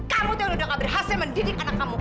kamu tuh yang udah berhasil mendidik anak kamu